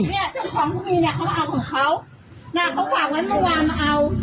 เนี่ยเจ้าของเขามีเนี่ยเขามาเอาของเขาน่ะเขาฝากไว้เมื่อวานมาเอา